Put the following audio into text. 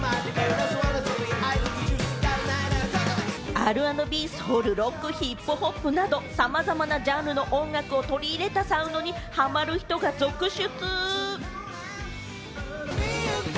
Ｒ＆Ｂ、ソウル、ロック、ヒップホップなどさまざまなジャンルの音楽を取り入れたサウンドにハマる人が続出。